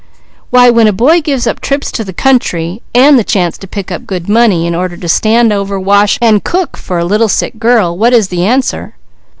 Why when a boy gives up trips to the country, the chance to pick up good money, in order to stand over, wash, and cook for a little sick girl, what is the answer?"